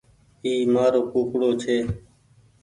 اي مآرو ڪوڪڙو ڇي۔